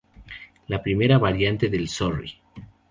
La primera variante del Sorry!